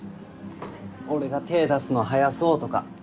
俺が手出すの早そうとか